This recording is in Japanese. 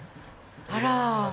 あら。